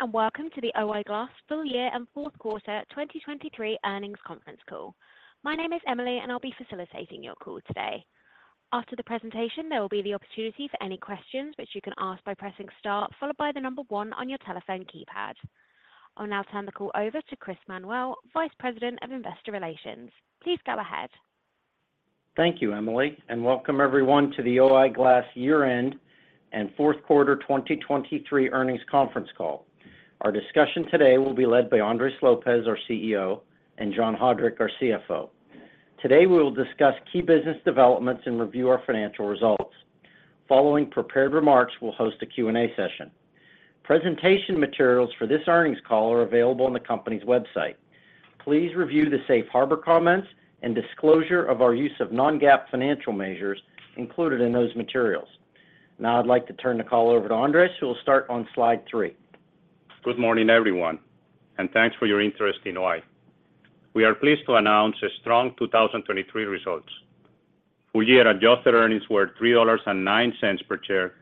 Hello everyone, and welcome to the O-I Glass Full Year and Q4 2023 Earnings Conference Call. My name is Emily, and I'll be facilitating your call today. After the presentation, there will be the opportunity for any questions, which you can ask by pressing star followed by the number 1 on your telephone keypad. I'll now turn the call over to Chris Manuel, Vice President of Investor Relations. Please go ahead. Thank you, Emily, and welcome everyone to the O-I Glass Year-End and Q4 2023 Earnings Conference Call. Our discussion today will be led by Andres Lopez, our CEO, and John Haudrich, our CFO. Today, we will discuss key business developments and review our financial results. Following prepared remarks, we'll host a Q&A session. Presentation materials for this earnings call are available on the company's website. Please review the safe harbor comments and disclosure of our use of non-GAAP financial measures included in those materials. Now I'd like to turn the call over to Andres, who will start on slide 3. Good morning, everyone, and thanks for your interest in O-I. We are pleased to announce a strong 2023 results. Full year adjusted earnings were $3.09 per share,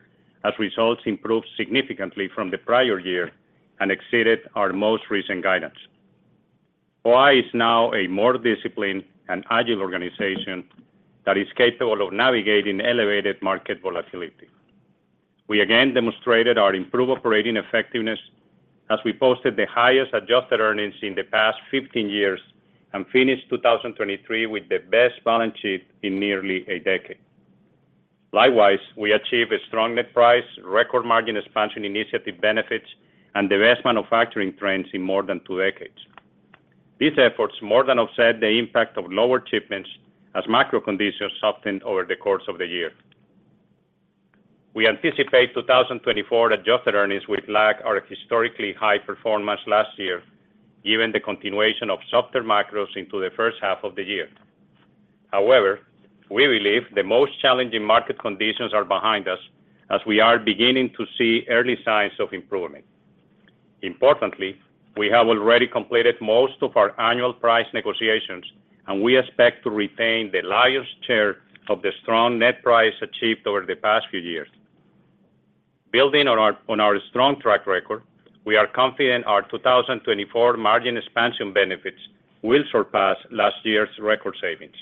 as results improved significantly from the prior year and exceeded our most recent guidance. O-I is now a more disciplined and agile organization that is capable of navigating elevated market volatility. We again demonstrated our improved operating effectiveness as we posted the highest adjusted earnings in the past 15 years and finished 2023 with the best balance sheet in nearly a decade. Likewise, we achieved a strong Net Price, record Margin Expansion Initiative benefits, and the best manufacturing trends in more than two decades. These efforts more than offset the impact of lower shipments as macro conditions softened over the course of the year. We anticipate 2024 adjusted earnings will lag our historically high performance last year, given the continuation of softer macros into the first half of the year. However, we believe the most challenging market conditions are behind us as we are beginning to see early signs of improvement. Importantly, we have already completed most of our annual price negotiations, and we expect to retain the largest share of the strong net price achieved over the past few years. Building on our strong track record, we are confident our 2024 margin expansion benefits will surpass last year's record savings.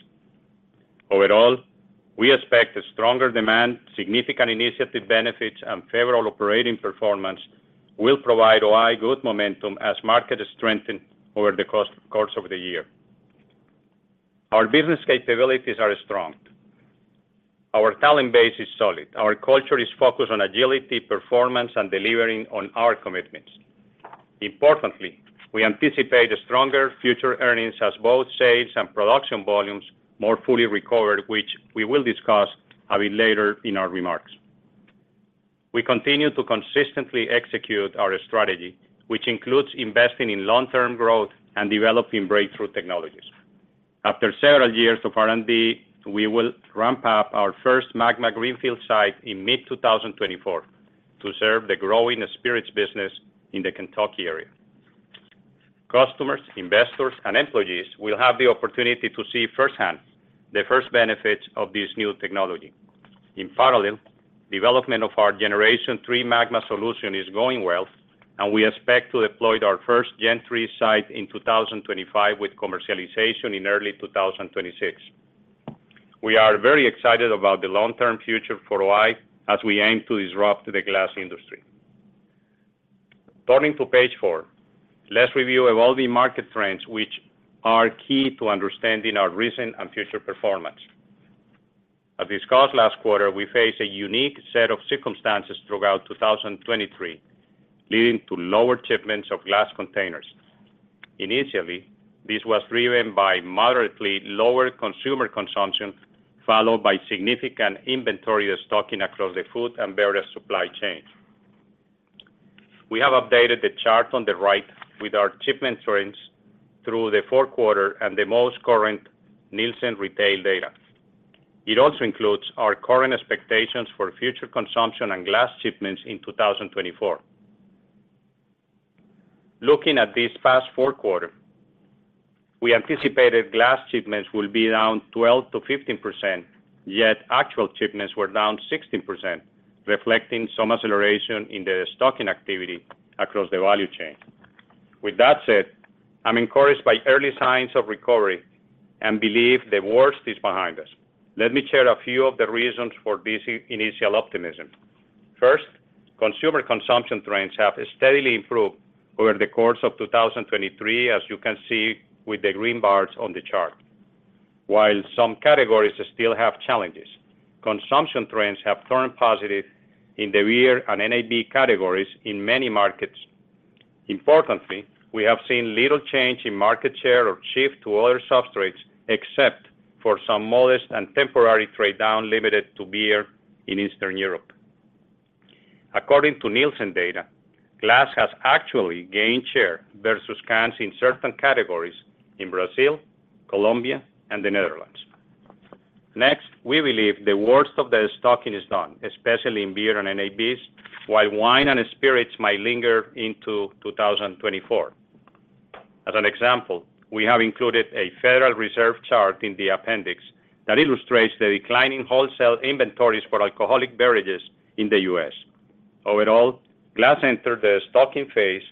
Overall, we expect a stronger demand, significant initiative benefits, and favorable operating performance will provide O-I good momentum as markets strengthen over the course of the year. Our business capabilities are strong. Our talent base is solid. Our culture is focused on agility, performance, and delivering on our commitments. Importantly, we anticipate a stronger future earnings as both sales and production volumes more fully recover, which we will discuss a bit later in our remarks. We continue to consistently execute our strategy, which includes investing in long-term growth and developing breakthrough technologies. After several years of R&D, we will ramp up our first MAGMA greenfield site in mid-2024 to serve the growing spirits business in the Kentucky area. Customers, investors, and employees will have the opportunity to see firsthand the first benefits of this new technology. In parallel, development of our Generation 3 MAGMA solution is going well, and we expect to deploy our first Gen 3 site in 2025, with commercialization in early 2026. We are very excited about the long-term future for O-I as we aim to disrupt the glass industry. Turning to page 4. Let's review all the market trends, which are key to understanding our recent and future performance. As discussed last quarter, we faced a unique set of circumstances throughout 2023, leading to lower shipments of glass containers. Initially, this was driven by moderately lower consumer consumption, followed by significant inventory stocking across the food and beverage supply chain. We have updated the chart on the right with our shipment trends through the Q4 and the most current Nielsen retail data. It also includes our current expectations for future consumption and glass shipments in 2024. Looking at this past Q4, we anticipated glass shipments will be down 12%-15%, yet actual shipments were down 16%, reflecting some acceleration in the stocking activity across the value chain. With that said, I'm encouraged by early signs of recovery and believe the worst is behind us. Let me share a few of the reasons for this initial optimism. First, consumer consumption trends have steadily improved over the course of 2023, as you can see with the green bars on the chart. While some categories still have challenges, consumption trends have turned positive in the beer and NAB categories in many markets. Importantly, we have seen little change in market share or shift to other substrates, except for some modest and temporary trade down, limited to beer in Eastern Europe. According to Nielsen data, glass has actually gained share versus cans in certain categories in Brazil, Colombia, and the Netherlands. Next, we believe the worst of the stocking is done, especially in beer and NABs, while wine and spirits might linger into 2024. As an example, we have included a Federal Reserve chart in the appendix that illustrates the declining wholesale inventories for alcoholic beverages in the U.S. Overall, glass entered the stocking phase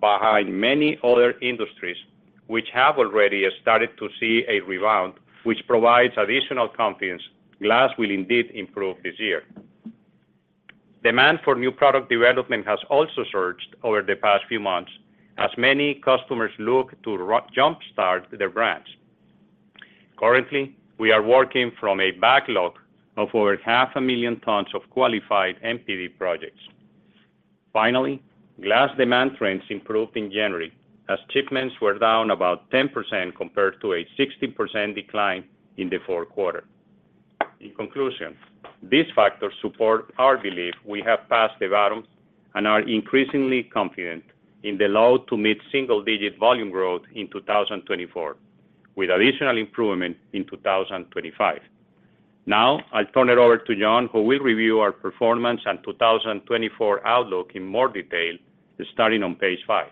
behind many other industries, which have already started to see a rebound, which provides additional confidence glass will indeed improve this year. Demand for new product development has also surged over the past few months, as many customers look to jumpstart their brands. Currently, we are working from a backlog of over 500,000 tons of qualified NPD projects. Finally, glass demand trends improved in January, as shipments were down about 10% compared to a 60% decline in the Q4. In conclusion, these factors support our belief we have passed the bottom and are increasingly confident in the low to mid-single-digit volume growth in 2024, with additional improvement in 2025. Now, I'll turn it over to John, who will review our performance and 2024 outlook in more detail, starting on page 5.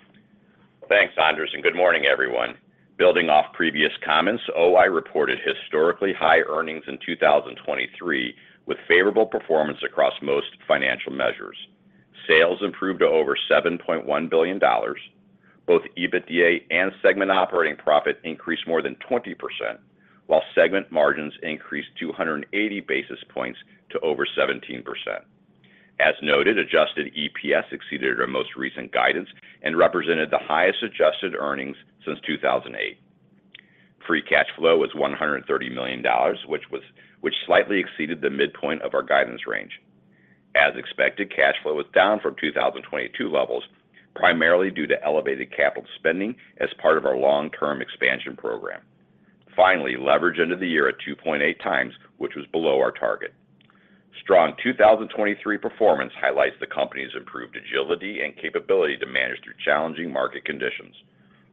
Thanks, Andres, and good morning, everyone. Building off previous comments, O-I reported historically high earnings in 2023, with favorable performance across most financial measures. Sales improved to over $7.1 billion. Both EBITDA and segment operating profit increased more than 20%, while segment margins increased 280 basis points to over 17%. As noted, adjusted EPS exceeded our most recent guidance and represented the highest adjusted earnings since 2008. Free cash flow was $130 million, which slightly exceeded the midpoint of our guidance range. As expected, cash flow was down from 2022 levels, primarily due to elevated capital spending as part of our long-term expansion program. Finally, leverage ended the year at 2.8 times, which was below our target. Strong 2023 performance highlights the company's improved agility and capability to manage through challenging market conditions.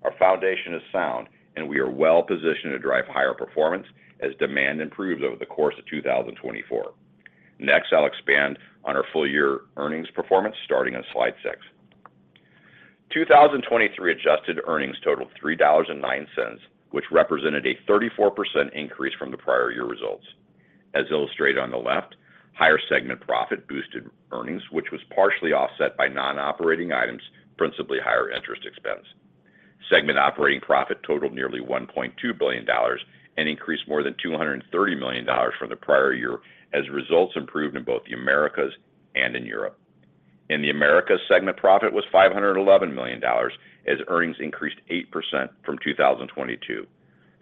Our foundation is sound, and we are well-positioned to drive higher performance as demand improves over the course of 2024. Next, I'll expand on our full year earnings performance, starting on slide 6. 2023 adjusted earnings totaled $3.09, which represented a 34% increase from the prior year results. As illustrated on the left, higher segment profit boosted earnings, which was partially offset by non-operating items, principally higher interest expense. Segment operating profit totaled nearly $1.2 billion and increased more than $230 million from the prior year, as results improved in both the Americas and in Europe. In the Americas, segment profit was $511 million, as earnings increased 8% from 2022.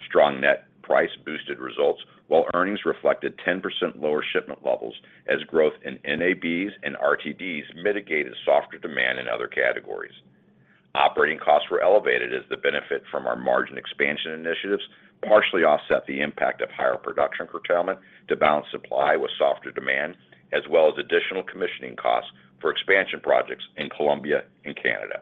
Strong net price boosted results, while earnings reflected 10% lower shipment levels as growth in NABs and RTDs mitigated softer demand in other categories. Operating costs were elevated as the benefit from our margin expansion initiatives partially offset the impact of higher production curtailment to balance supply with softer demand, as well as additional commissioning costs for expansion projects in Colombia and Canada.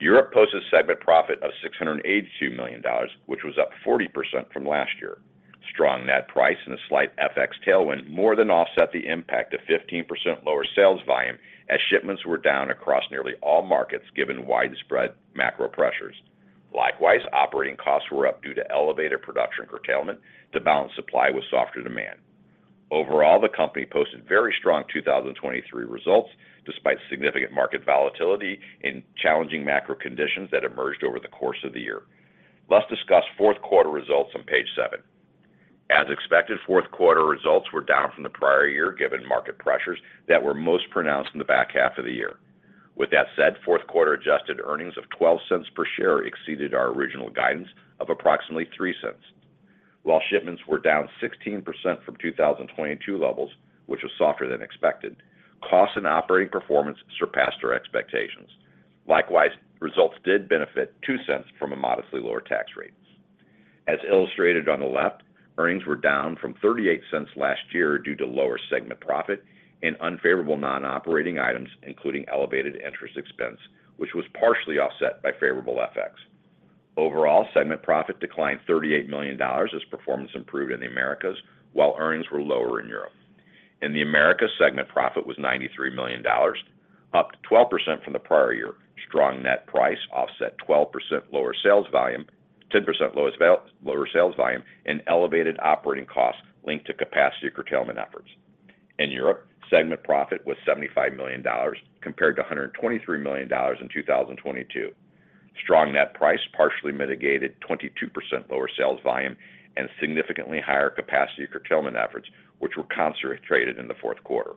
Europe posted a segment profit of $682 million, which was up 40% from last year. Strong net price and a slight FX tailwind more than offset the impact of 15% lower sales volume, as shipments were down across nearly all markets given widespread macro pressures. Likewise, operating costs were up due to elevated production curtailment to balance supply with softer demand. Overall, the company posted very strong 2023 results, despite significant market volatility in challenging macro conditions that emerged over the course of the year. Let's discuss Q4 results on page 7. As expected, Q4 results were down from the prior year, given market pressures that were most pronounced in the back half of the year. With that said, Q4 adjusted earnings of $0.12 per share exceeded our original guidance of approximately $0.03. While shipments were down 16% from 2022 levels, which was softer than expected, costs and operating performance surpassed our expectations. Likewise, results did benefit $0.02 from a modestly lower tax rate. As illustrated on the left, earnings were down from $0.38 last year due to lower segment profit and unfavorable non-operating items, including elevated interest expense, which was partially offset by favorable FX. Overall, segment profit declined $38 million as performance improved in the Americas, while earnings were lower in Europe. In the Americas, segment profit was $93 million, up 12% from the prior year. Strong net price offset 12% lower sales volume, 10% lower sales volume, and elevated operating costs linked to capacity curtailment efforts. In Europe, segment profit was $75 million, compared to $123 million in 2022. Strong net price partially mitigated 22% lower sales volume and significantly higher capacity curtailment efforts, which were concentrated in the Q4.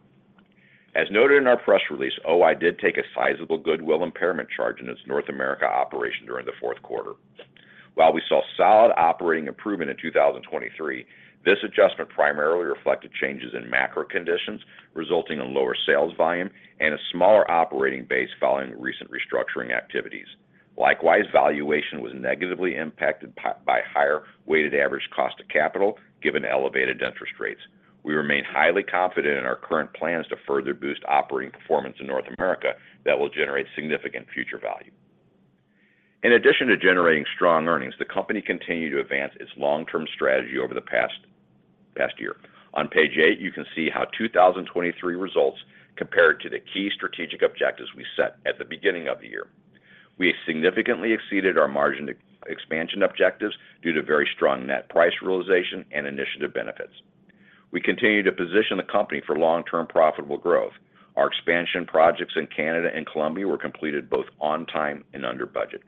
As noted in our press release, OI did take a sizable goodwill impairment charge in its North America operation during the Q4. While we saw solid operating improvement in 2023, this adjustment primarily reflected changes in macro conditions, resulting in lower sales volume and a smaller operating base following recent restructuring activities. Likewise, valuation was negatively impacted by higher weighted average cost of capital, given elevated interest rates. We remain highly confident in our current plans to further boost operating performance in North America that will generate significant future value. In addition to generating strong earnings, the company continued to advance its long-term strategy over the past year. On page 8, you can see how 2023 results compared to the key strategic objectives we set at the beginning of the year. We significantly exceeded our margin expansion objectives due to very strong net price realization and initiative benefits. We continue to position the company for long-term profitable growth. Our expansion projects in Canada and Colombia were completed both on time and under budget.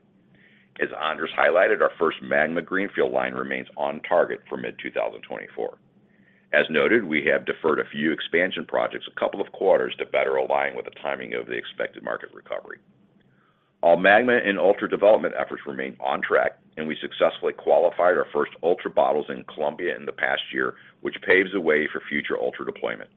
As Andres highlighted, our first Magma greenfield line remains on target for mid-2024. As noted, we have deferred a few expansion projects a couple of quarters to better align with the timing of the expected market recovery. All Magma and Ultra development efforts remain on track, and we successfully qualified our first Ultra bottles in Colombia in the past year, which paves the way for future Ultra deployment.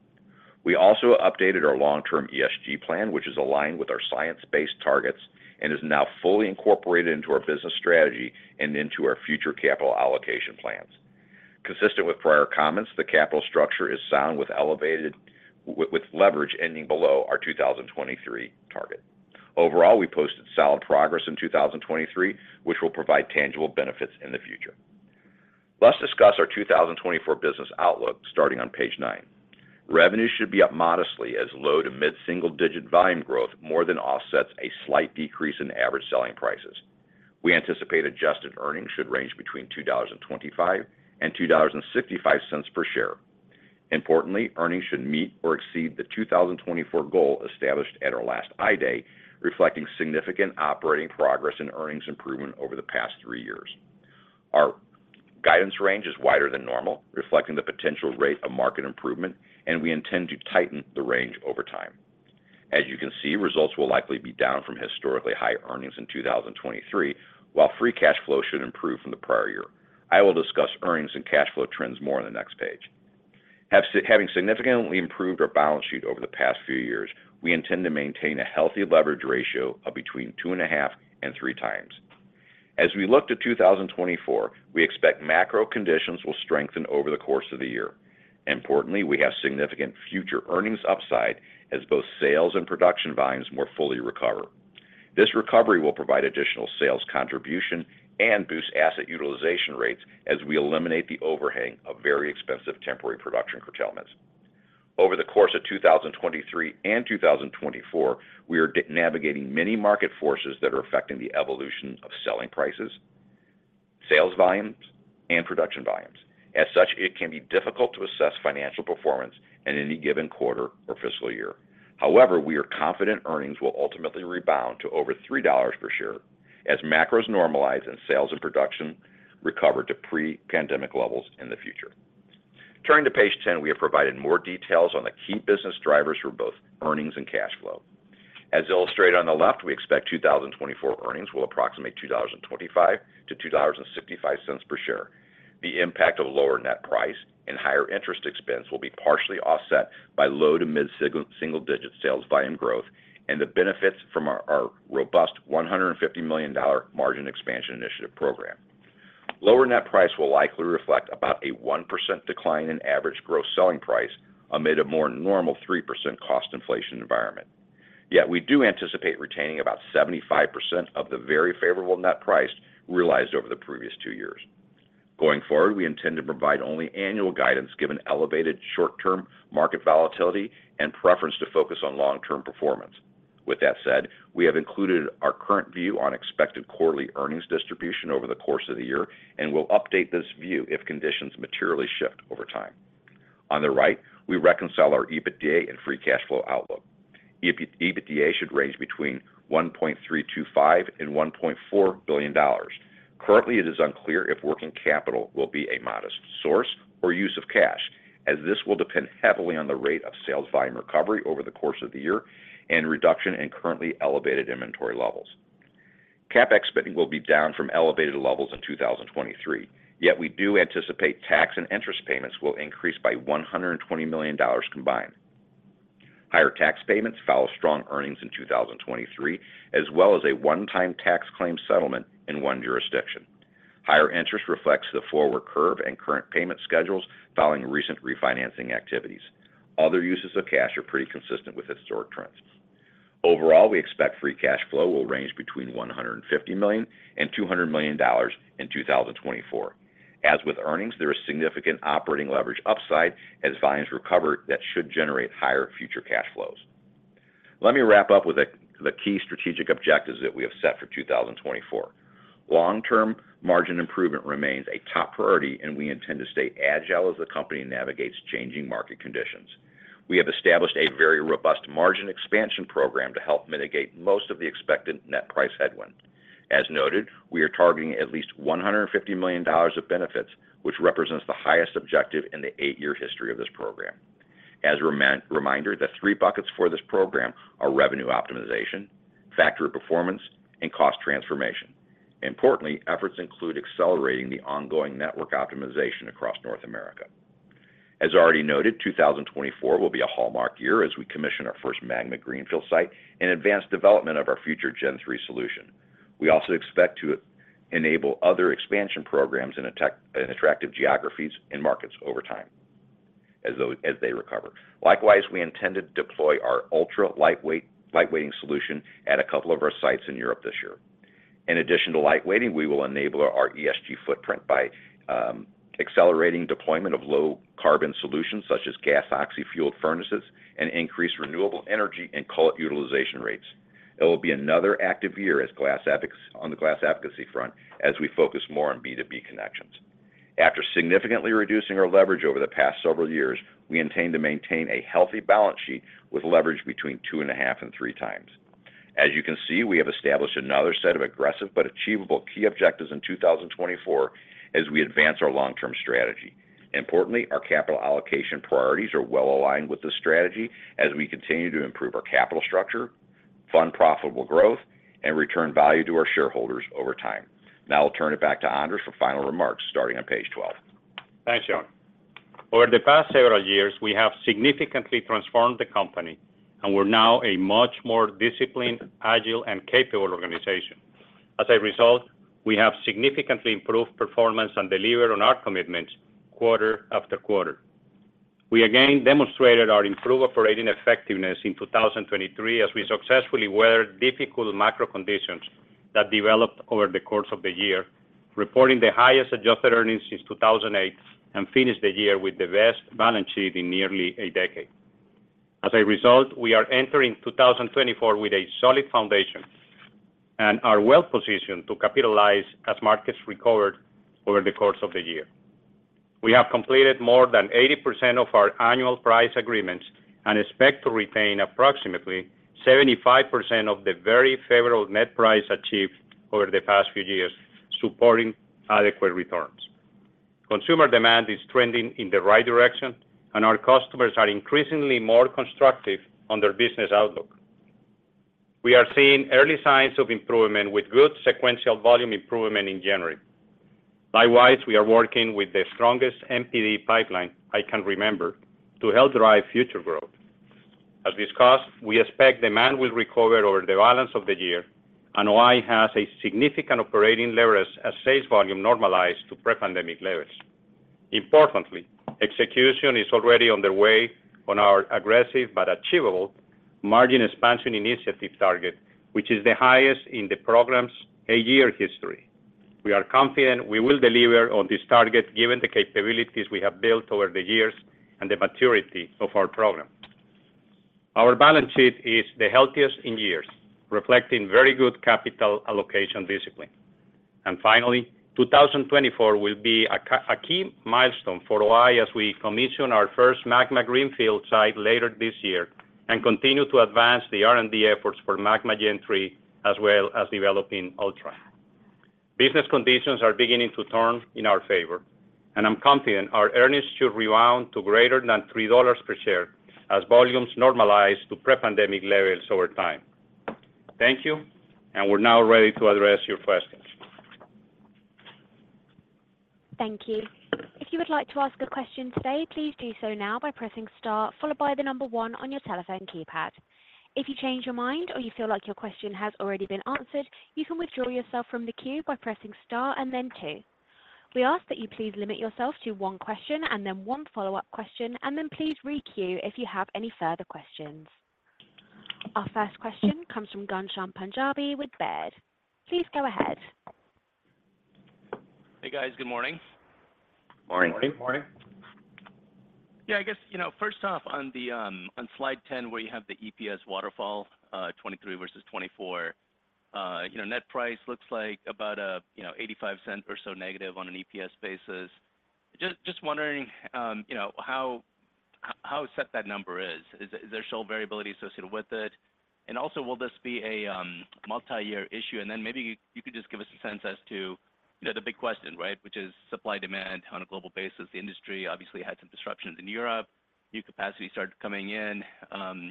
We also updated our long-term ESG plan, which is aligned with our science-based targets and is now fully incorporated into our business strategy and into our future capital allocation plans. Consistent with prior comments, the capital structure is sound, with leverage ending below our 2023 target. Overall, we posted solid progress in 2023, which will provide tangible benefits in the future. Let's discuss our 2024 business outlook, starting on page 9. Revenue should be up modestly as low- to mid-single-digit volume growth more than offsets a slight decrease in average selling prices. We anticipate adjusted earnings should range between $2.25 and $2.65 per share. Importantly, earnings should meet or exceed the 2024 goal established at our last I Day, reflecting significant operating progress and earnings improvement over the past three years. Our guidance range is wider than normal, reflecting the potential rate of market improvement, and we intend to tighten the range over time. As you can see, results will likely be down from historically high earnings in 2023, while free cash flow should improve from the prior year. I will discuss earnings and cash flow trends more in the next page. Having significantly improved our balance sheet over the past few years, we intend to maintain a healthy leverage ratio of between 2.5 and 3 times. As we look to 2024, we expect macro conditions will strengthen over the course of the year. Importantly, we have significant future earnings upside as both sales and production volumes more fully recover. This recovery will provide additional sales contribution and boost asset utilization rates as we eliminate the overhang of very expensive temporary production curtailments. Over the course of 2023 and 2024, we are navigating many market forces that are affecting the evolution of selling prices, sales volumes, and production volumes. As such, it can be difficult to assess financial performance in any given quarter or fiscal year. However, we are confident earnings will ultimately rebound to over $3 per share as macros normalize and sales and production recover to pre-pandemic levels in the future. Turning to page 10, we have provided more details on the key business drivers for both earnings and cash flow. As illustrated on the left, we expect 2024 earnings will approximate $2.25-$2.65 per share. The impact of lower net price and higher interest expense will be partially offset by low- to mid-single-digit sales volume growth and the benefits from our robust $150 million Margin Expansion Initiative program. Lower net price will likely reflect about a 1% decline in average gross selling price amid a more normal 3% cost inflation environment. Yet, we do anticipate retaining about 75% of the very favorable net price realized over the previous two years. Going forward, we intend to provide only annual guidance, given elevated short-term market volatility and preference to focus on long-term performance. With that said, we have included our current view on expected quarterly earnings distribution over the course of the year, and we'll update this view if conditions materially shift over time. On the right, we reconcile our EBITDA and free cash flow outlook. EBITDA should range between $1.325 billion and $1.4 billion. Currently, it is unclear if working capital will be a modest source or use of cash, as this will depend heavily on the rate of sales volume recovery over the course of the year and reduction in currently elevated inventory levels. CapEx spending will be down from elevated levels in 2023, yet we do anticipate tax and interest payments will increase by $120 million combined. Higher tax payments follow strong earnings in 2023, as well as a one-time tax claim settlement in one jurisdiction. Higher interest reflects the forward curve and current payment schedules following recent refinancing activities. Other uses of cash are pretty consistent with historic trends. Overall, we expect free cash flow will range between $150 million and $200 million in 2024. As with earnings, there is significant operating leverage upside as volumes recover that should generate higher future cash flows. Let me wrap up with the key strategic objectives that we have set for 2024. Long-term margin improvement remains a top priority, and we intend to stay agile as the company navigates changing market conditions. We have established a very robust margin expansion program to help mitigate most of the expected net price headwind. As noted, we are targeting at least $150 million of benefits, which represents the highest objective in the 8-year history of this program. As a reminder, the three buckets for this program are revenue optimization, factory performance, and cost transformation. Importantly, efforts include accelerating the ongoing network optimization across North America. As already noted, 2024 will be a hallmark year as we commission our first MAGMA greenfield site and advance development of our future Gen 3 solution. We also expect to enable other expansion programs in attractive geographies and markets over time as they recover. Likewise, we intend to deploy our ultra-lightweight, lightweighting solution at a couple of our sites in Europe this year. In addition to lightweighting, we will enable our ESG footprint by accelerating deployment of low-carbon solutions, such as gas oxy fueled furnaces, and increase renewable energy and cullet utilization rates. It will be another active year on the glass advocacy front, as we focus more on B2B connections. After significantly reducing our leverage over the past several years, we intend to maintain a healthy balance sheet with leverage between 2.5 and 3 times. As you can see, we have established another set of aggressive but achievable key objectives in 2024, as we advance our long-term strategy. Importantly, our capital allocation priorities are well aligned with this strategy as we continue to improve our capital structure, fund profitable growth, and return value to our shareholders over time. Now I'll turn it back to Andres for final remarks, starting on page 12. Thanks, John. Over the past several years, we have significantly transformed the company, and we're now a much more disciplined, agile, and capable organization. As a result, we have significantly improved performance and delivered on our commitments quarter after quarter. We again demonstrated our improved operating effectiveness in 2023 as we successfully weathered difficult macro conditions that developed over the course of the year, reporting the highest adjusted earnings since 2008, and finished the year with the best balance sheet in nearly a decade. As a result, we are entering 2024 with a solid foundation and are well positioned to capitalize as markets recover over the course of the year. We have completed more than 80% of our annual price agreements and expect to retain approximately 75% of the very favorable Net Price achieved over the past few years, supporting adequate returns. Consumer demand is trending in the right direction, and our customers are increasingly more constructive on their business outlook. We are seeing early signs of improvement with good sequential volume improvement in January. Likewise, we are working with the strongest NPD pipeline I can remember to help drive future growth. As discussed, we expect demand will recover over the balance of the year, and O-I has a significant operating leverage as sales volume normalize to pre-pandemic levels. Importantly, execution is already underway on our aggressive but achievable Margin Expansion Initiative target, which is the highest in the program's 8-year history. We are confident we will deliver on this target, given the capabilities we have built over the years and the maturity of our program. Our balance sheet is the healthiest in years, reflecting very good capital allocation discipline. And finally, 2024 will be a key milestone for O-I as we commission our first MAGMA greenfield site later this year and continue to advance the R&D efforts for MAGMA Gen 3, as well as developing Ultra. Business conditions are beginning to turn in our favor, and I'm confident our earnings should rebound to greater than $3 per share as volumes normalize to pre-pandemic levels over time. Thank you, and we're now ready to address your questions. Thank you. If you would like to ask a question today, please do so now by pressing star, followed by the number one on your telephone keypad. If you change your mind or you feel like your question has already been answered, you can withdraw yourself from the queue by pressing star and then two. We ask that you please limit yourself to one question and then one follow-up question, and then please requeue if you have any further questions. Our first question comes from Ghansham Panjabi with Baird. Please go ahead. Hey, guys. Good morning. Morning. Morning. Morning. Yeah, I guess, you know, first off, on the on slide 10, where you have the EPS waterfall, 2023 versus 2024, you know, net price looks like about a $0.85 or so negative on an EPS basis. Just wondering, you know, how set that number is. Is there still variability associated with it? And also, will this be a multi-year issue? And then maybe you could just give us a sense as to, you know, the big question, right, which is supply-demand on a global basis. The industry obviously had some disruptions in Europe. New capacity started coming in,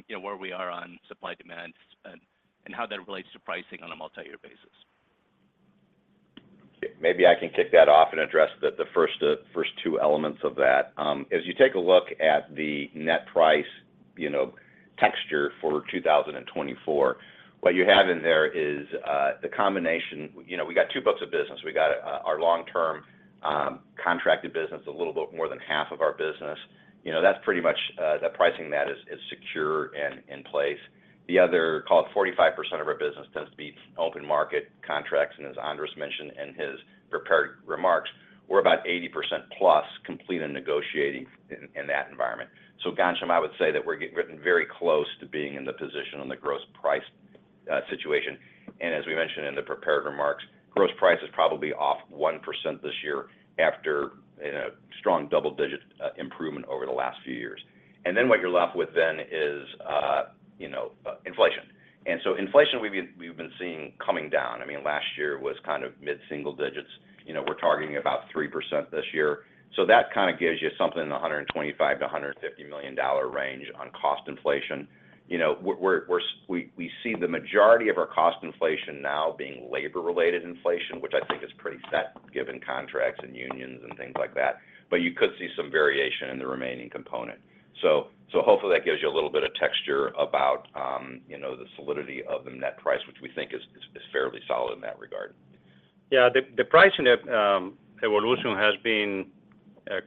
you know, where we are on supply-demand and how that relates to pricing on a multi-year basis. Maybe I can kick that off and address the first two elements of that. As you take a look at the net price, you know, picture for 2024, what you have in there is the combination. You know, we got two books of business. We got our long-term contracted business, a little bit more than half of our business. You know, that's pretty much the pricing math is secure and in place. The other, call it 45% of our business, tends to be open market contracts, and as Andres mentioned in his prepared remarks, we're about 80% plus complete and negotiating in that environment. So Ghansham, I would say that we're getting very close to being in the position on the gross price situation. As we mentioned in the prepared remarks, gross price is probably off 1% this year after in a strong double-digit improvement over the last few years. Then what you're left with then is, you know, inflation. So inflation, we've been seeing coming down. I mean, last year was kind of mid-single digits. You know, we're targeting about 3% this year. So that kind of gives you something in the $125 million-$150 million range on cost inflation. You know, we see the majority of our cost inflation now being labor-related inflation, which I think is pretty set given contracts and unions and things like that, but you could see some variation in the remaining component. So, hopefully that gives you a little bit of texture about, you know, the solidity of the net price, which we think is fairly solid in that regard. Yeah, the pricing evolution has been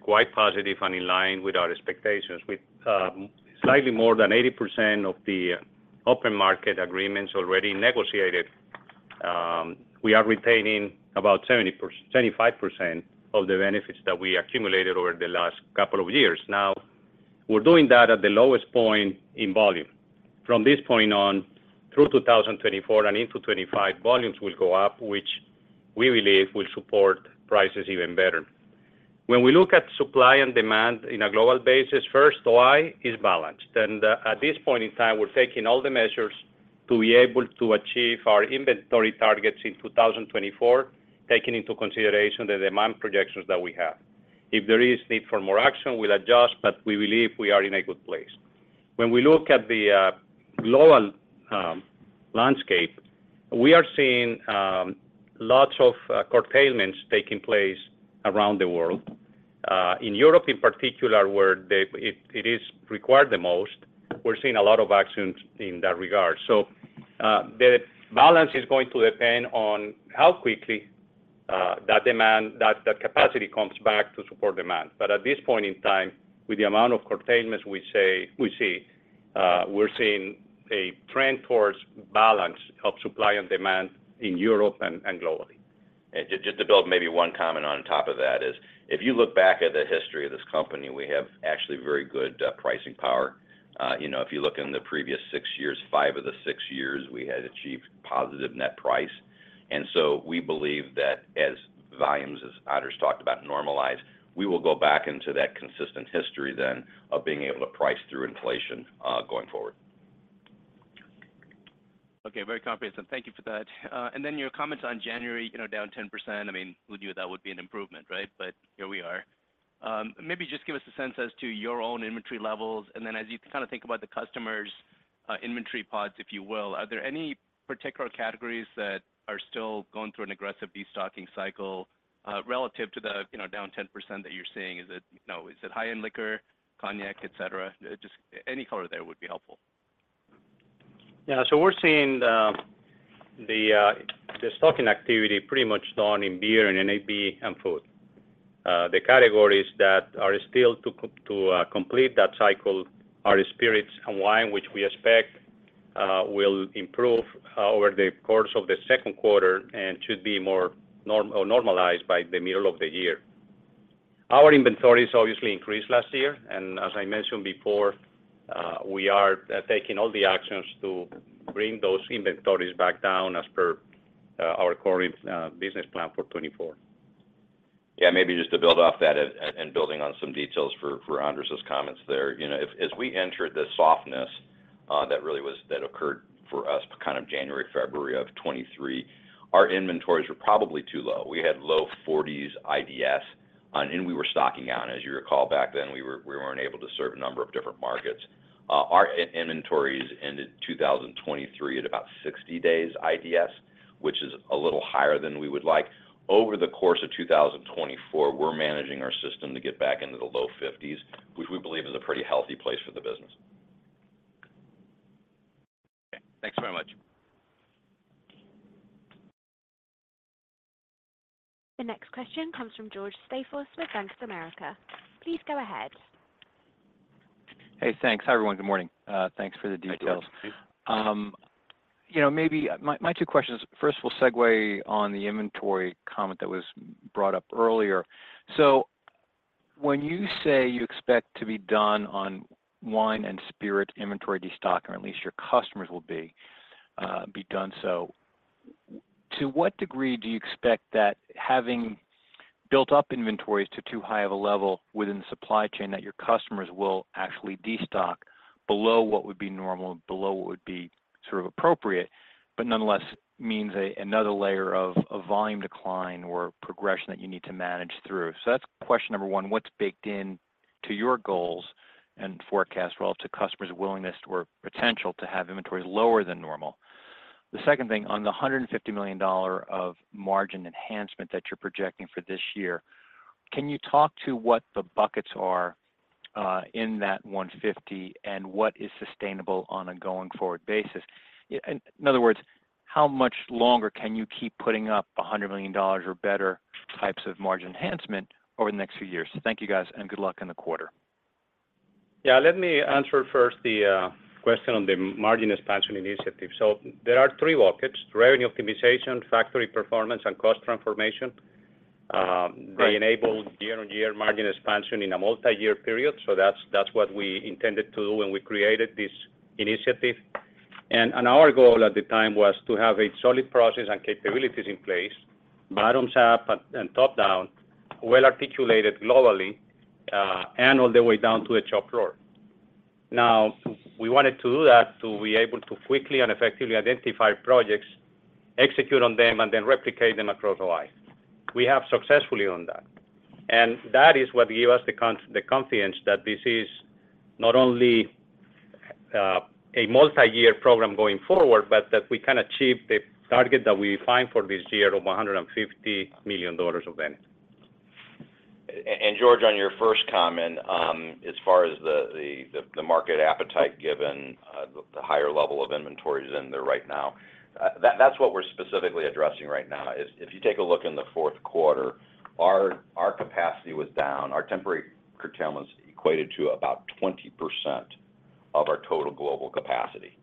quite positive and in line with our expectations. With slightly more than 80% of the open market agreements already negotiated, we are retaining about 70%-75% of the benefits that we accumulated over the last couple of years. Now, we're doing that at the lowest point in volume. From this point on, through 2024 and into 2025, volumes will go up, which we believe will support prices even better. When we look at supply and demand in a global basis, first, why is balance? And at this point in time, we're taking all the measures to be able to achieve our inventory targets in 2024, taking into consideration the demand projections that we have. If there is need for more action, we'll adjust, but we believe we are in a good place. When we look at the global landscape, we are seeing lots of curtailments taking place around the world. In Europe, in particular, where it is required the most, we're seeing a lot of actions in that regard. So, the balance is going to depend on how quickly that demand, that capacity comes back to support demand. But at this point in time, with the amount of curtailments we see, we're seeing a trend towards balance of supply and demand in Europe and globally. And just to build maybe one comment on top of that is, if you look back at the history of this company, we have actually very good pricing power. You know, if you look in the previous six years, five of the six years, we had achieved positive net price. And so we believe that as volumes, as Andres talked about, normalize, we will go back into that consistent history then, of being able to price through inflation, going forward. Okay, very comprehensive. Thank you for that. And then your comments on January, you know, down 10%, I mean, who knew that would be an improvement, right? But here we are. Maybe just give us a sense as to your own inventory levels, and then as you kind of think about the customers', inventory pods, if you will, are there any particular categories that are still going through an aggressive destocking cycle, relative to the, you know, down 10% that you're seeing? Is it, you know, is it high-end liquor, cognac, et cetera? Just any color there would be helpful. Yeah, so we're seeing the stocking activity pretty much done in beer and NAB and food. The categories that are still to complete that cycle are spirits and wine, which we expect will improve over the course of the Q2 and should be more normalized by the middle of the year. Our inventories obviously increased last year, and as I mentioned before, we are taking all the actions to bring those inventories back down as per our current business plan for 2024. Yeah, maybe just to build off that and building on some details for Andres's comments there. You know, if as we entered the softness, that really was that occurred for us kind of January, February of 2023, our inventories were probably too low. We had low 40s IDs, and we were stocking out. As you recall back then, we were we weren't able to serve a number of different markets. Our inventories ended 2023 at about 60 days IDs, which is a little higher than we would like. Over the course of 2024, we're managing our system to get back into the low 50s, which we believe is a pretty healthy place for the business. Okay, thanks very much. The next question comes from George Staphos with Bank of America. Please go ahead. Hey, thanks. Hi, everyone. Good morning. Thanks for the details. Hey, George. You know, maybe my two questions, first of all, segue on the inventory comment that was brought up earlier. So when you say you expect to be done on wine and spirit inventory destock, or at least your customers will be done so, to what degree do you expect that having built up inventories to too high of a level within the supply chain, that your customers will actually destock below what would be normal, below what would be sort of appropriate, but nonetheless means another layer of volume decline or progression that you need to manage through? So that's question number 1: What's baked in to your goals and forecast relative to customers' willingness or potential to have inventories lower than normal? The second thing, on the $150 million of margin enhancement that you're projecting for this year, can you talk to what the buckets are in that 150, and what is sustainable on a going-forward basis? In other words, how much longer can you keep putting up a $100 million or better types of margin enhancement over the next few years? Thank you, guys, and good luck in the quarter. Yeah, let me answer first the question on the Margin Expansion Initiative. So there are three buckets, revenue optimization, factory performance, and cost transformation. They enable year-on-year margin expansion in a multiyear period, so that's what we intended to do when we created this initiative. And our goal at the time was to have a solid process and capabilities in place, bottoms up and top down, well-articulated globally, and all the way down to a shop floor. Now, we wanted to do that to be able to quickly and effectively identify projects, execute on them, and then replicate them across the line. We have succeeded on that, and that is what gives us the confidence that this is not only a multi-year program going forward, but that we can achieve the target that we set for this year of $150 million of benefit. George, on your first comment, as far as the market appetite, given the higher level of inventories in there right now, that's what we're specifically addressing right now, is if you take a look in the Q4, our capacity was down. Our temporary curtailments equated to about 20% of our total global capacity.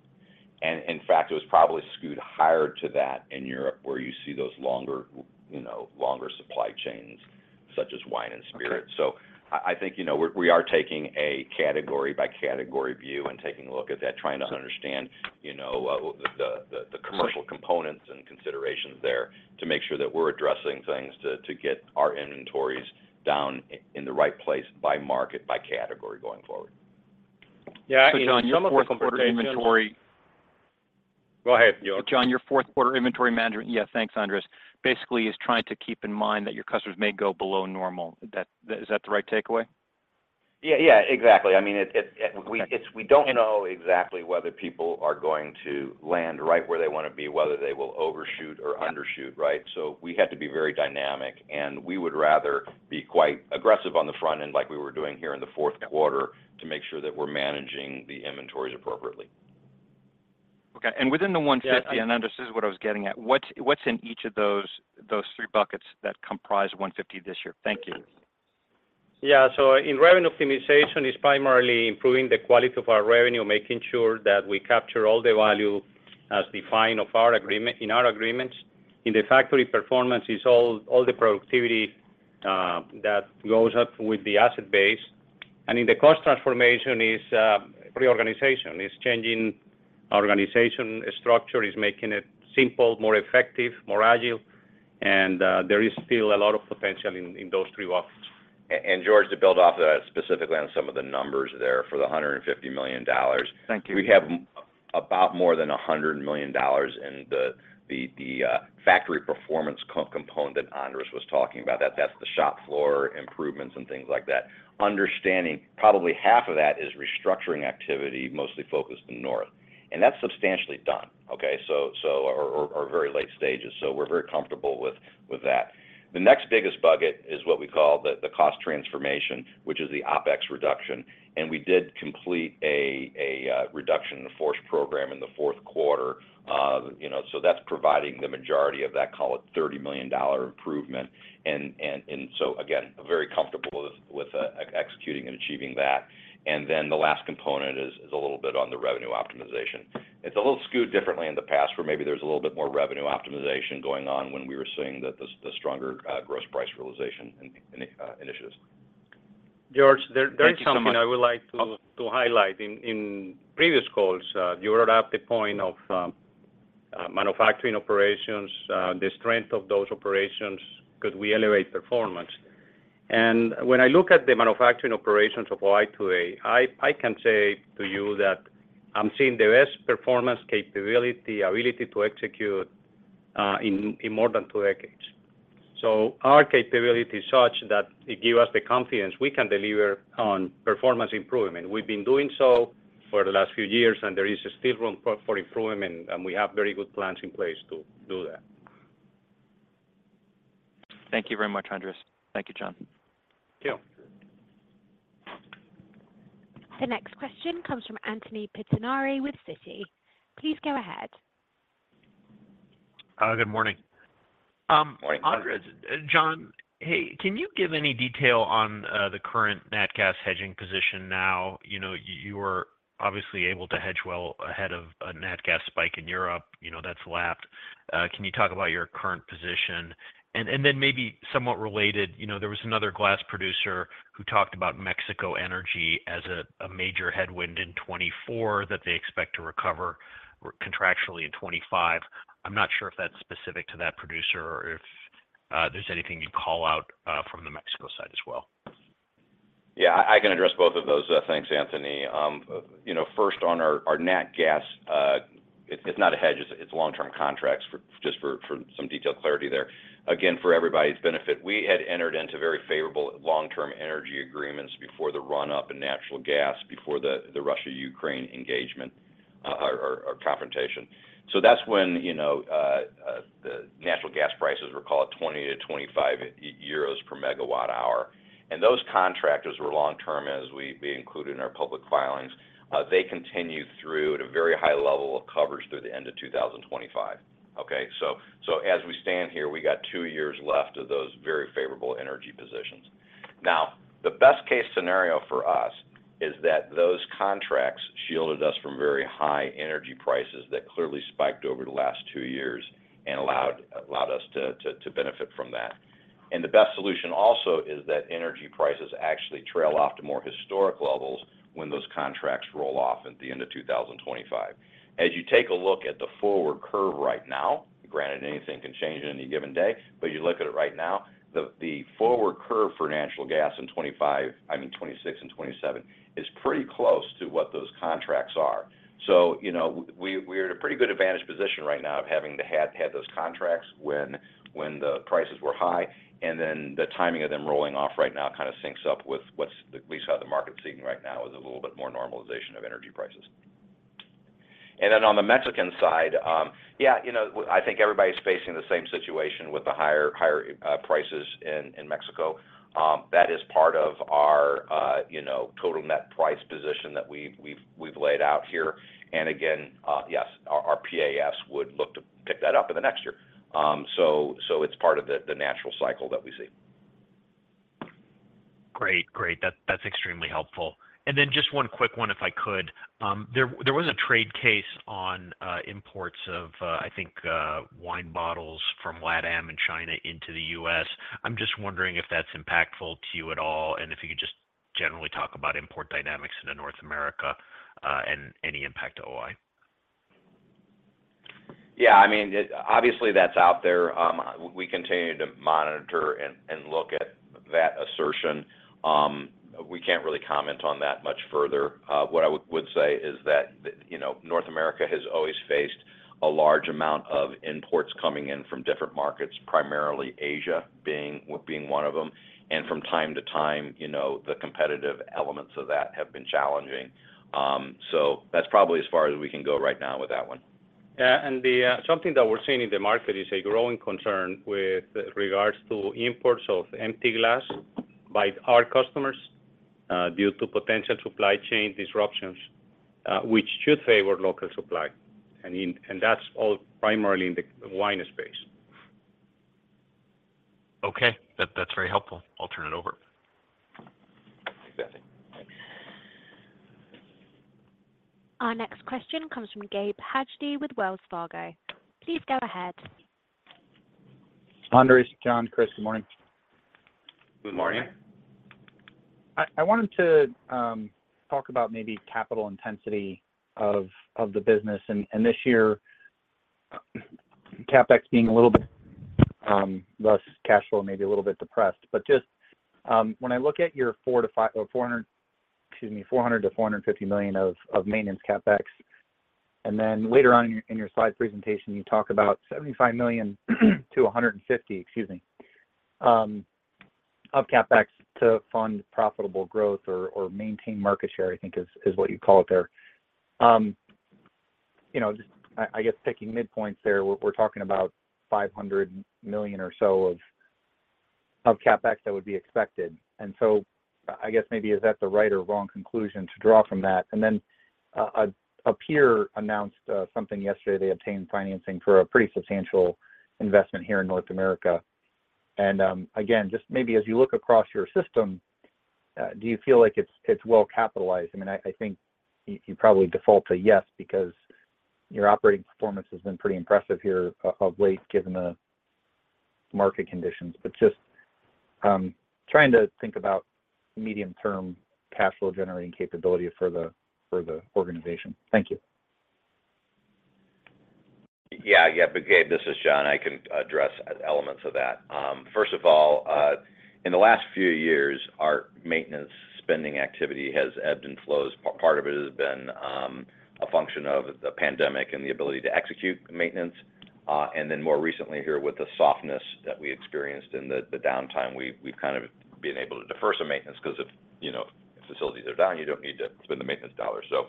And in fact, it was probably skewed higher to that in Europe, where you see those longer, you know, longer supply chains, such as wine and spirits. Okay. I think, you know, we're we are taking a category by category view and taking a look at that, trying to understand, you know, the commercial components- Sure... and considerations there to make sure that we're addressing things to get our inventories down in the right place by market, by category going forward. Yeah, in some of the conversations- So, John, your Q4 inventory- Go ahead, Andres. John, your Q4 inventory management... Yeah, thanks, Andres. Basically, is trying to keep in mind that your customers may go below normal. That. Is that the right takeaway? Yeah, yeah, exactly. I mean, it- Okay... we don't know exactly whether people are going to land right where they want to be, whether they will overshoot or undershoot, right? So we had to be very dynamic, and we would rather be quite aggressive on the front end, like we were doing here in the Q4, to make sure that we're managing the inventories appropriately. Okay. And within the 150, Yeah Andres, this is what I was getting at: What's in each of those three buckets that comprise $150 this year? Thank you. Yeah. So in revenue optimization is primarily improving the quality of our revenue, making sure that we capture all the value as defined of our agreement, in our agreements. In the factory performance is all the productivity that goes up with the asset base. And in the cost transformation is reorganization. It's changing organization structure, is making it simple, more effective, more agile, and there is still a lot of potential in those three boxes. George, to build off that, specifically on some of the numbers there for the $150 million. Thank you. We have about more than $100 million in the factory performance component that Andres was talking about. That's the shop floor improvements and things like that. Understanding probably half of that is restructuring activity, mostly focused in North, and that's substantially done. Okay, so very late stages, so we're very comfortable with that. The next biggest bucket is what we call the cost transformation, which is the OpEx reduction. And we did complete a reduction in force program in the Q4, you know, so that's providing the majority of that, call it $30 million improvement. And so again, very comfortable with executing and achieving that. And then the last component is a little bit on the revenue optimization. It's a little skewed differently in the past, where maybe there's a little bit more revenue optimization going on when we were seeing the stronger gross price realization in initiatives. George, there is- Thank you so much.... something I would like to highlight. In previous calls, you brought up the point of manufacturing operations, the strength of those operations, could we elevate performance? And when I look at the manufacturing operations of Y to A, I can say to you that I'm seeing the best performance capability, ability to execute, in more than two decades. So our capability is such that it give us the confidence we can deliver on performance improvement. We've been doing so for the last few years, and there is still room for improvement, and we have very good plans in place to do that. Thank you very much, Andres. Thank you, John. Thank you. The next question comes from Anthony Pettinari with Citi. Please go ahead. Good morning. Morning, Anthony. Andres, John, hey, can you give any detail on the current nat gas hedging position now? You know, you were obviously able to hedge well ahead of a nat gas spike in Europe. You know, that's lapped. Can you talk about your current position? And then maybe somewhat related, you know, there was another glass producer who talked about Mexico energy as a major headwind in 2024, that they expect to recover contractually in 2025. I'm not sure if that's specific to that producer or if there's anything you'd call out from the Mexico side as well. Yeah, I can address both of those. Thanks, Anthony. You know, first on our nat gas, it's not a hedge, it's long-term contracts, just for some detailed clarity there. Again, for everybody's benefit, we had entered into very favorable long-term energy agreements before the run-up in natural gas, before the Russia-Ukraine engagement or confrontation. So that's when, you know, the natural gas prices were, call it, 20-25 euros per megawatt hour, and those contracts were long-term, as we've included in our public filings. They continue through at a very high level of coverage through the end of 2025. Okay, so as we stand here, we got two years left of those very favorable energy positions. Now, the best-case scenario for us is that those contracts shielded us from very high energy prices that clearly spiked over the last two years and allowed us to benefit from that. And the best solution also is that energy prices actually trail off to more historic levels when those contracts roll off at the end of 2025. As you take a look at the forward curve right now, granted, anything can change on any given day, but you look at it right now, the forward curve for natural gas in 2025, I mean, 2026 and 2027, is pretty close to what those contracts are. So, you know, we're at a pretty good advantage position right now of having had those contracts when the prices were high, and then the timing of them rolling off right now kind of syncs up with what's at least how the market's seeing right now, is a little bit more normalization of energy prices. And then on the Mexican side, yeah, you know, I think everybody's facing the same situation with the higher prices in Mexico. That is part of our, you know, total net price position that we've laid out here. And again, yes, our PAS would look to pick that up in the next year. So, it's part of the natural cycle that we see. Great. Great. That, that's extremely helpful. And then just one quick one, if I could. There, there was a trade case on imports of, I think, wine bottles from LATAM and China into the U.S. I'm just wondering if that's impactful to you at all, and if you could just generally talk about import dynamics into North America, and any impact to OI. Yeah, I mean, it obviously, that's out there. We continue to monitor and look at that assertion. We can't really comment on that much further. What I would say is that, you know, North America has always faced a large amount of imports coming in from different markets, primarily Asia being one of them. And from time to time, you know, the competitive elements of that have been challenging. So that's probably as far as we can go right now with that one. Yeah, and something that we're seeing in the market is a growing concern with regards to imports of empty glass by our customers due to potential supply chain disruptions, which should favor local supply. And that's all primarily in the wine space. Okay. That, that's very helpful. I'll turn it over. Thanks. Our next question comes from Gabe Hajde with Wells Fargo. Please go ahead. Andres, John, Chris, good morning. Good morning. I wanted to talk about maybe capital intensity of the business, and this year, CapEx being a little bit, thus, cash flow, maybe a little bit depressed. But just, when I look at your 400 to 450 million of maintenance CapEx, and then later on in your slide presentation, you talk about $75 million-$150 million of CapEx to fund profitable growth or maintain market share, I think is what you call it there. You know, just, I guess, taking midpoints there, we're talking about $500 million or so of CapEx that would be expected. And so I guess maybe is that the right or wrong conclusion to draw from that? And then, a peer announced something yesterday. They obtained financing for a pretty substantial investment here in North America. Again, just maybe as you look across your system, do you feel like it's well capitalized? I mean, I think you probably default to yes, because your operating performance has been pretty impressive here of late, given the market conditions. But just trying to think about medium-term cash flow generating capability for the organization. Thank you. Yeah. Yeah. But Gabe, this is John. I can address elements of that. First of all, in the last few years, our maintenance spending activity has ebbed and flowed. Part of it has been, a function of the pandemic and the ability to execute maintenance. And then more recently here with the softness that we experienced in the downtime, we've kind of been able to defer some maintenance because if, you know, facilities are down, you don't need to spend the maintenance dollar. So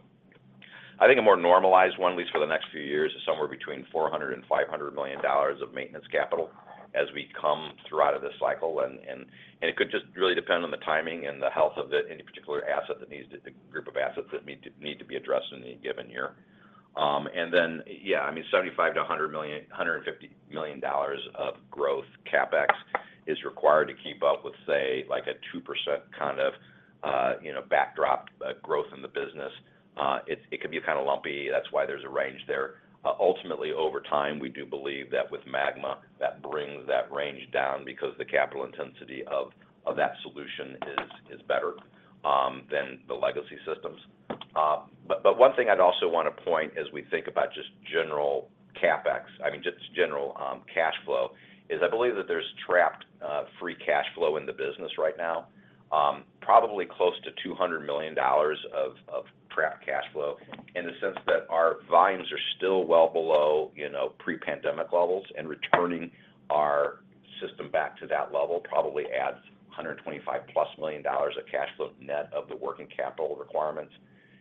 I think a more normalized one, at least for the next few years, is somewhere between $400 million and $500 million of maintenance capital as we come through out of this cycle. It could just really depend on the timing and the health of any particular asset that needs to be addressed, the group of assets that need to be addressed in a given year. And then, I mean, $75 million-$150 million of growth CapEx is required to keep up with, say, like a 2% kind of, you know, backdrop growth in the business. It can be kind of lumpy. That's why there's a range there. Ultimately, over time, we do believe that with MAGMA, that brings that range down because the capital intensity of that solution is better than the legacy systems. But one thing I'd also want to point as we think about just general CapEx, I mean, just general cash flow, is I believe that there's trapped free cash flow in the business right now, probably close to $200 million of trapped cash flow, in the sense that our volumes are still well below, you know, pre-pandemic levels, and returning our system back to that level probably adds $125+ million of cash flow net of the working capital requirements.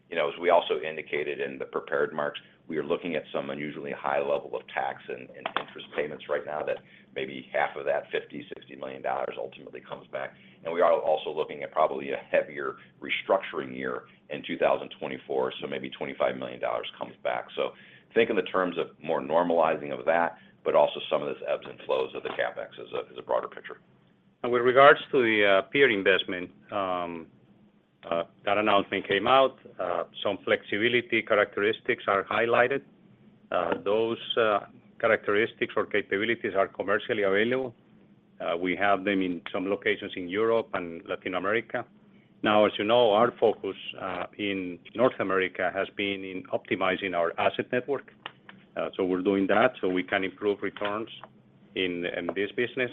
You know, as we also indicated in the prepared remarks, we are looking at some unusually high level of tax and interest payments right now that maybe half of that $50-$60 million ultimately comes back. And we are also looking at probably a heavier restructuring year in 2024, so maybe $25 million comes back. So think in the terms of more normalizing of that, but also some of this ebbs and flows of the CapEx as a broader picture. With regards to the peer investment, that announcement came out. Some flexibility characteristics are highlighted. Those characteristics or capabilities are commercially available. We have them in some locations in Europe and Latin America. Now, as you know, our focus in North America has been in optimizing our asset network. So we're doing that so we can improve returns in this business.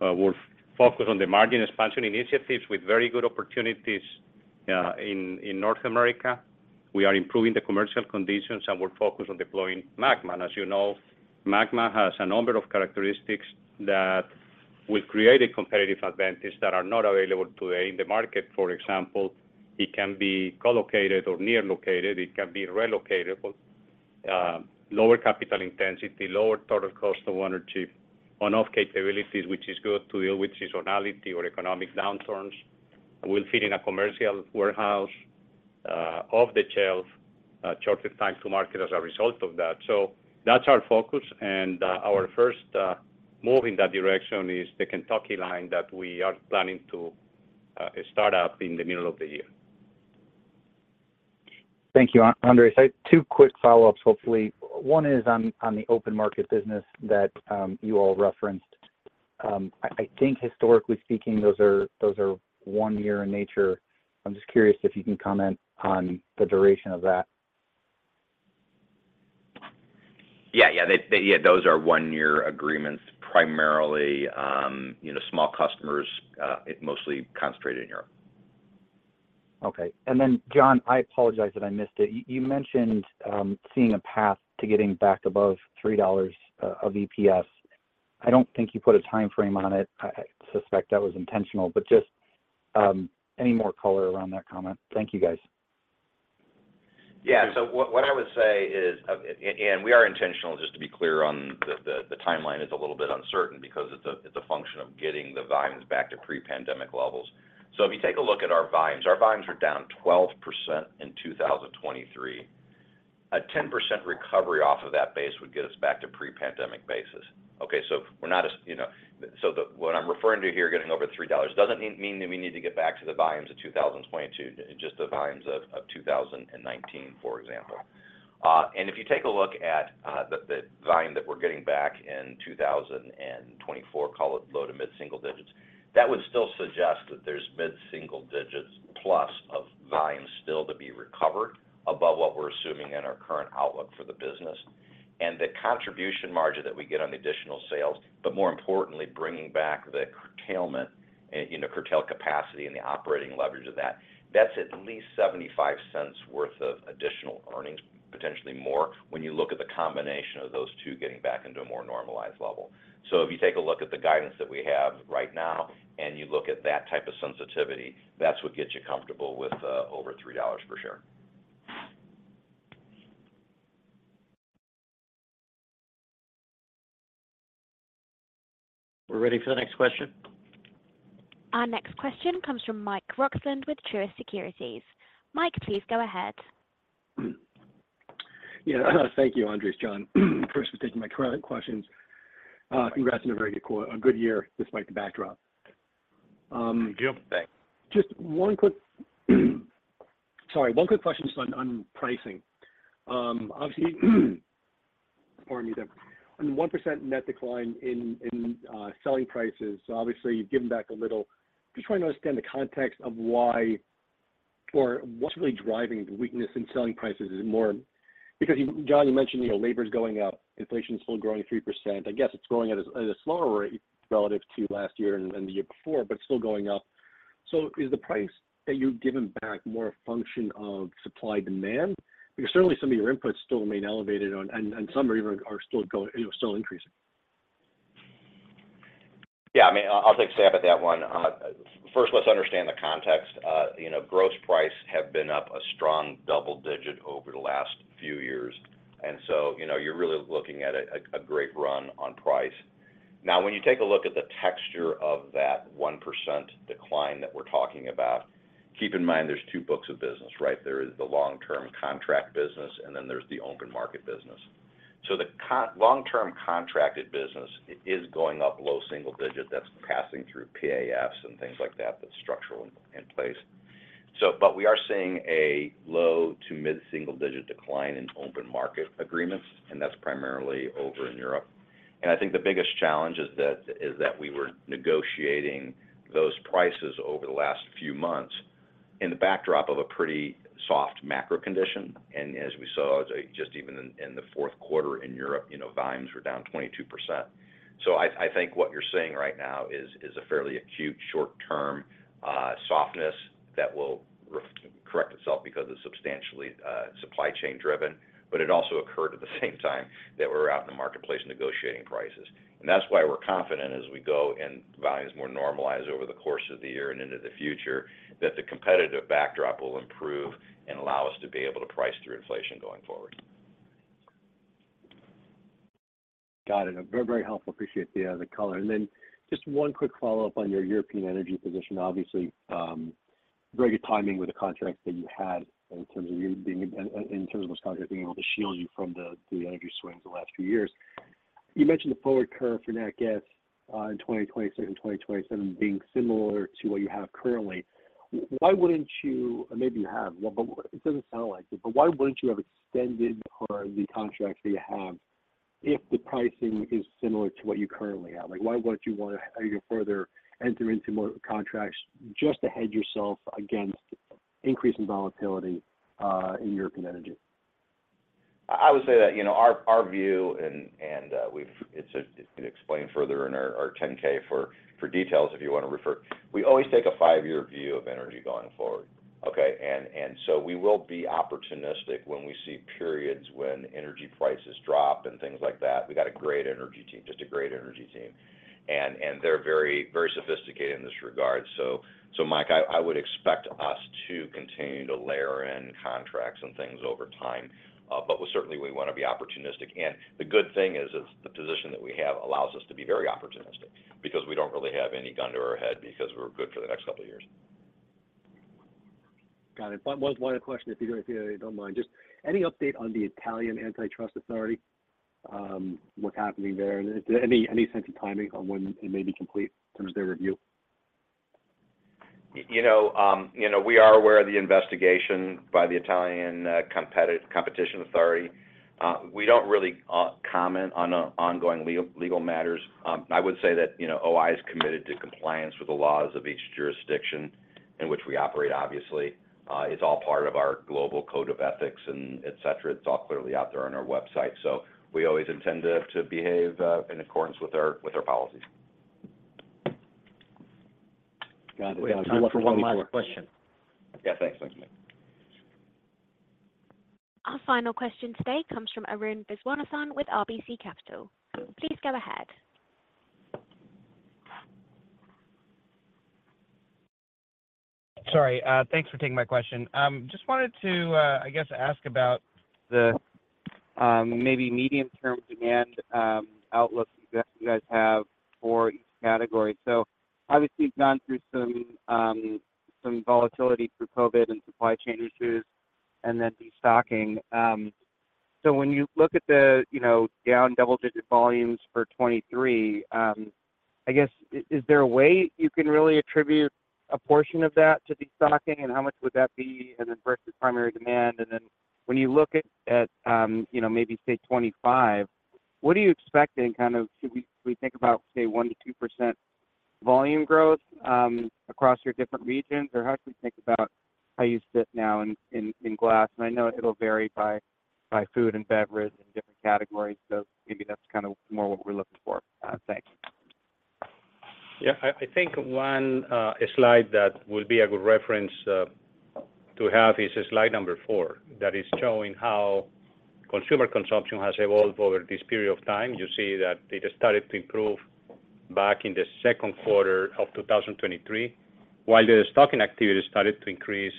We're focused on the Margin Expansion Initiative with very good opportunities in North America. We are improving the commercial conditions, and we're focused on deploying MAGMA. And as you know, MAGMA has a number of characteristics that will create a competitive advantage that are not available today in the market. For example, it can be co-located or near located, it can be relocated, but lower capital intensity, lower total cost of 1 or 2, on-off capabilities, which is good to deal with seasonality or economic downturns. We'll fit in a commercial warehouse, off the shelf, shorter time to market as a result of that. So that's our focus, and our first move in that direction is the Kentucky line that we are planning to start up in the middle of the year. Thank you, Andres. I have two quick follow-ups, hopefully. One is on the open market business that you all referenced. I think historically speaking, those are one year in nature. I'm just curious if you can comment on the duration of that. Yeah, yeah. Yeah, those are one-year agreements, primarily, you know, small customers. It mostly concentrated in Europe. Okay. And then, John, I apologize that I missed it. You mentioned seeing a path to getting back above $3 of EPS. I don't think you put a time frame on it. I suspect that was intentional, but just any more color around that comment? Thank you, guys. Yeah. So what I would say is, and we are intentional, just to be clear on the timeline is a little bit uncertain because it's a function of getting the volumes back to pre-pandemic levels. So if you take a look at our volumes, our volumes are down 12% in 2023. A 10% recovery off of that base would get us back to pre-pandemic basis. Okay, so we're not as... You know, so the what I'm referring to here, getting over $3, doesn't mean that we need to get back to the volumes of 2022, just the volumes of 2019, for example. And if you take a look at the volume that we're getting back in 2024, call it low to mid single digits, that would still suggest that there's mid single digits plus of volume still to be recovered above what we're assuming in our current outlook for the business. And the contribution margin that we get on the additional sales, but more importantly, bringing back the curtailment and, you know, curtail capacity and the operating leverage of that, that's at least $0.75 worth of additional earnings, potentially more, when you look at the combination of those two getting back into a more normalized level. So if you take a look at the guidance that we have right now, and you look at that type of sensitivity, that's what gets you comfortable with over $3 per share. We're ready for the next question? Our next question comes from Mike Roxland with Truist Securities. Mike, please go ahead. Yeah, thank you, Andres, John. Thanks for taking my current questions. Congrats on a very good quarter, a good year, despite the backdrop. Yep. Thanks. Just one quick, sorry, one quick question just on pricing. Obviously, pardon me, the 1% net decline in selling prices. So obviously, you've given back a little. Just trying to understand the context of why or what's really driving the weakness in selling prices is more— Because, John, you mentioned, you know, labor is going up, inflation is still growing 3%. I guess it's growing at a slower rate relative to last year and the year before, but still going up. So is the price that you've given back more a function of supply/demand? Because certainly some of your inputs still remain elevated on, and some are even still going, you know, still increasing. Yeah, I mean, I'll take a stab at that one. First, let's understand the context. You know, gross price have been up a strong double digit over the last few years, and so, you know, you're really looking at a, a, a great run on price. Now, when you take a look at the texture of that 1% decline that we're talking about, keep in mind, there's two books of business, right? There is the long-term contract business, and then there's the open market business. So the long-term contracted business is going up low single digit. That's passing through PAFs and things like that, that's structurally in place. So, but we are seeing a low- to mid-single-digit decline in open market agreements, and that's primarily over in Europe. And I think the biggest challenge is that we were negotiating those prices over the last few months in the backdrop of a pretty soft macro condition. And as we saw just even in the Q4 in Europe, you know, volumes were down 22%. So I think what you're seeing right now is a fairly acute short-term softness that will correct itself because it's substantially supply chain driven, but it also occurred at the same time that we're out in the marketplace negotiating prices. And that's why we're confident as we go and volume is more normalized over the course of the year and into the future, that the competitive backdrop will improve and allow us to be able to price through inflation going forward. Got it. Very, very helpful. Appreciate the color. And then just one quick follow-up on your European energy position. Obviously, very good timing with the contracts that you had in terms of you being in terms of this contract being able to shield you from the energy swings the last few years. You mentioned the forward curve for natural gas in 2026 and 2027 being similar to what you have currently. Why wouldn't you, maybe you have, but it doesn't sound like it, but why wouldn't you have extended or the contracts that you have if the pricing is similar to what you currently have? Like, why wouldn't you want to either further enter into more contracts just to hedge yourself against increasing volatility in European energy? I would say that, you know, our view. It's explained further in our 10-K for details, if you want to refer. We always take a five-year view of energy going forward, okay? And so we will be opportunistic when we see periods when energy prices drop up and things like that. We got a great energy team, just a great energy team, and they're very sophisticated in this regard. So Mike, I would expect us to continue to layer in contracts and things over time. But we certainly wanna be opportunistic. And the good thing is the position that we have allows us to be very opportunistic because we don't really have any gun to our head because we're good for the next couple of years. Got it. One other question, if you don't mind. Just any update on the Italian Antitrust Authority, what's happening there? And any sense of timing on when it may be complete in terms of their review? You know, you know, we are aware of the investigation by the Italian Competition Authority. We don't really comment on ongoing legal matters. I would say that, you know, O-I is committed to compliance with the laws of each jurisdiction in which we operate, obviously. It's all part of our global code of ethics and et cetera. It's all clearly out there on our website, so we always intend to behave in accordance with our policies. Got it- We have time for one last question. Yeah, thanks. Thanks, Mike. Our final question today comes from Arun Viswanathan with RBC Capital. Please go ahead. Sorry, thanks for taking my question. Just wanted to, I guess, ask about the maybe medium-term demand outlook that you guys have for each category. So obviously, you've gone through some volatility through COVID and supply chain issues and then destocking. So when you look at the, you know, down double-digit volumes for 2023, I guess, is there a way you can really attribute a portion of that to destocking, and how much would that be? And then versus primary demand, and then when you look at, you know, maybe, say, 2025, what are you expecting? Kind of should we think about, say, 1%-2% volume growth across your different regions, or how should we think about how you sit now in glass? I know it'll vary by food and beverage and different categories, so maybe that's kind of more what we're looking for. Thanks. Yeah, I think one slide that will be a good reference to have is slide number 4. That is showing how consumer consumption has evolved over this period of time. You see that it has started to improve back in the Q2 of 2023, while the stocking activity started to increase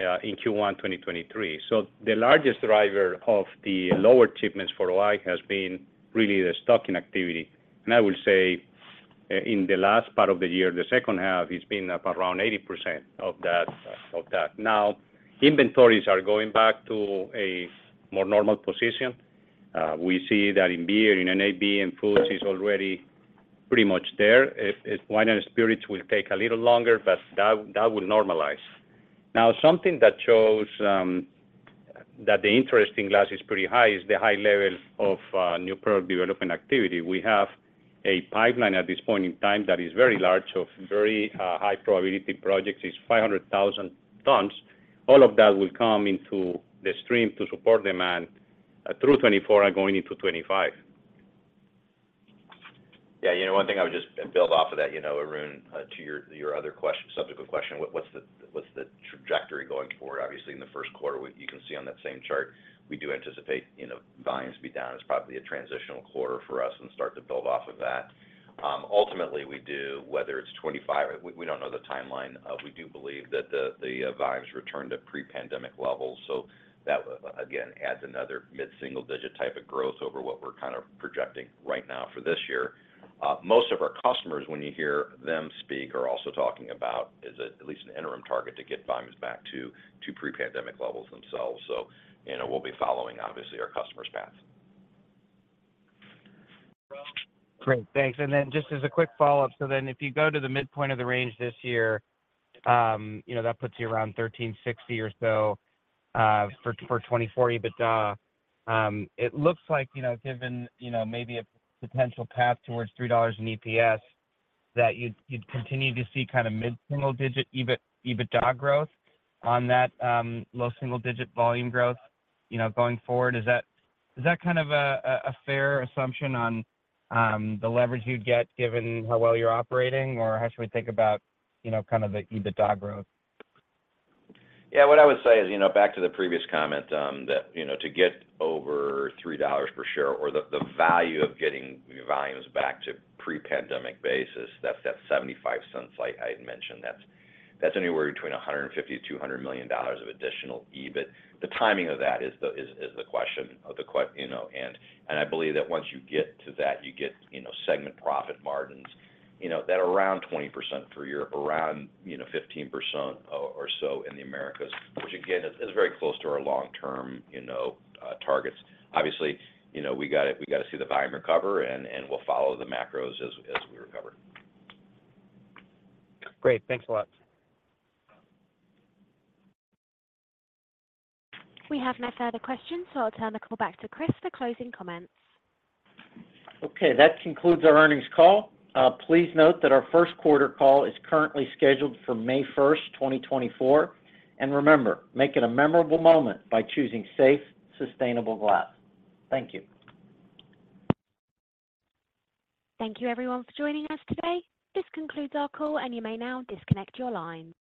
in Q1 2023. So the largest driver of the lower shipments for O-I has been really the stocking activity. And I will say in the last part of the year, the second half, it's been around 80% of that. Now, inventories are going back to a more normal position. We see that in beer, in NAB and foods is already pretty much there. It, wine and spirits will take a little longer, but that will normalize. Now, something that shows, that the interest in glass is pretty high, is the high level of, new product development activity. We have a pipeline at this point in time that is very large, of very, high probability projects, is 500,000 tons. All of that will come into the stream to support demand, through 2024 and going into 2025. Yeah, you know, one thing I would just build off of that, you know, Arun, to your other question, subsequent question, what's the trajectory going forward? Obviously, in the Q1, we, you can see on that same chart, we do anticipate, you know, volumes to be down. It's probably a transitional quarter for us and start to build off of that. Ultimately, we do, whether it's 25, we don't know the timeline. We do believe that the volumes return to pre-pandemic levels, so that, again, adds another mid-single digit type of growth over what we're kind of projecting right now for this year. Most of our customers, when you hear them speak, are also talking about is at least an interim target to get volumes back to pre-pandemic levels themselves. You know, we'll be following, obviously, our customers' paths. Great, thanks. And then just as a quick follow-up: so then, if you go to the midpoint of the range this year, you know, that puts you around 1,360 or so, for 2024. But, it looks like, you know, given, you know, maybe a potential path towards $3 in EPS, that you'd continue to see kind of mid-single-digit EBIT, EBITDA growth on that, low single-digit volume growth, you know, going forward. Is that kind of a fair assumption on the leverage you'd get, given how well you're operating, or how should we think about, you know, kind of the EBITDA growth? Yeah, what I would say is, you know, back to the previous comment, that, you know, to get over $3 per share or the value of getting volumes back to pre-pandemic basis, that's that $0.75 I had mentioned. That's anywhere between $150 million-$200 million of additional EBIT. The timing of that is the question, you know, and I believe that once you get to that, you get, you know, segment profit margins, you know, that are around 20% for year, around, you know, 15% or so in the Americas, which again, is very close to our long-term, you know, targets. Obviously, you know, we gotta see the volume recover, and we'll follow the macros as we recover. Great. Thanks a lot. We have no further questions, so I'll turn the call back to Chris for closing comments. Okay, that concludes our earnings call. Please note that our Q1 call is currently scheduled for May 1, 2024. Remember, make it a memorable moment by choosing safe, sustainable glass. Thank you. Thank you everyone for joining us today. This concludes our call, and you may now disconnect your lines.